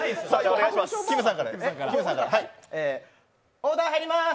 オーダー入ります！